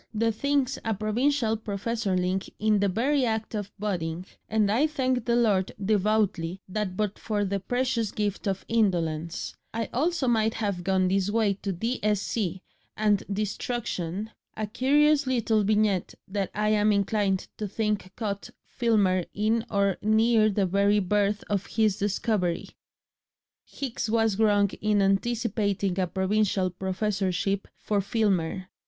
"The thing's a Provincial professorling in the very act of budding, and I thank the Lord devoutly that but for the precious gift of indolence I also might have gone this way to D.Sc. and destruction..." A curious little vignette that I am inclined to think caught Filmer in or near the very birth of his discovery. Hicks was wrong in anticipating a provincial professorship for Filmer.